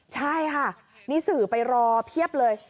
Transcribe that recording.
ใช่ค่ะนี่สื่อไปรอเพียบเลย